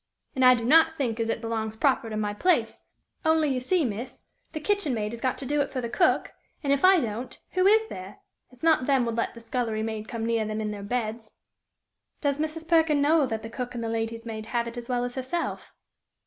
An' I do not think as it belongs proper to my place; only you see, miss, the kitchen maid has got to do it for the cook, an' if I don't, who is there? It's not them would let the scullery maid come near them in their beds." "Does Mrs. Perkin know that the cook and the lady's maid have it as well as herself?"